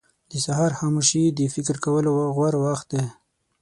• د سهار خاموشي د فکر کولو غوره وخت دی.